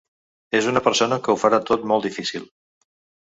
És una persona que ho farà tot molt difícil.